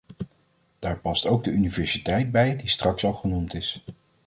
Daar past ook de universiteit bij die straks al genoemd is.